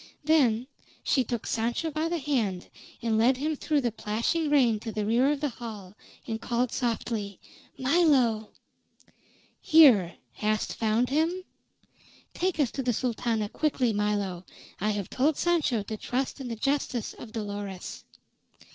Then she took Sancho by the hand, and led him through the plashing rain to the rear of the hall and called softly: "Milo!" "Here. Hast found him?" "Take us to the Sultana quickly, Milo. I have told Sancho to trust in the justice of Dolores."